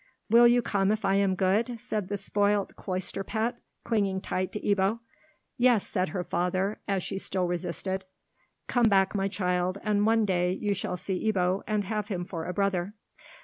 "Will you come if I am good?" said the spoilt cloister pet, clinging tight to Ebbo. "Yes," said her father, as she still resisted, "come back, my child, and one day shall you see Ebbo, and have him for a brother."